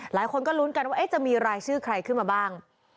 หลายคนก็ลุ้นกันว่าจะมีรายชื่อใครขึ้นมาบ้าง